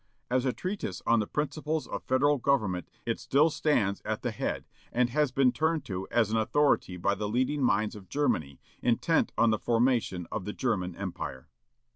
As a treatise on the principles of federal government it still stands at the head, and has been turned to as an authority by the leading minds of Germany, intent on the formation of the German Empire."